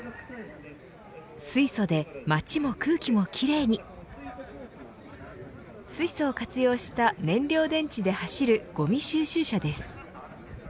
水素で街も空気も奇麗に水素を活用した燃料電池で走るごみ収集車です。